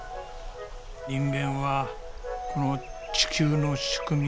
人間はこの地球の仕組み